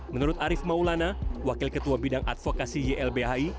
menurut arief maulana wakil ketua bidang advokasi ylbhi